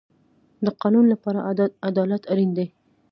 د قانون لپاره عدالت اړین دی